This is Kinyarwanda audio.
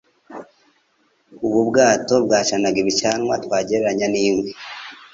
Ubu bwato bwacanaga ibicanwa twagereranya n'inkwi